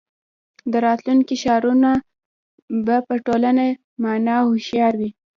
د راتلونکي ښارونه به په ټوله مانا هوښیار وي.